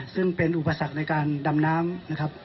ซึ่งเป็นอุปสรรคในการดำน้ำนะครับ